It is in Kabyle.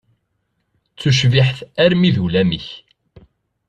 D tucbiḥt armi d ulamek!